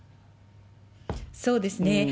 そうですね。